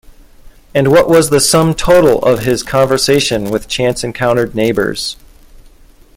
And what was the sum total of his conversation with chance-encountered neighbours?